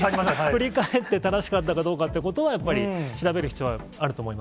振り返って正しかったかということは調べる必要があると思い